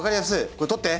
これ撮って！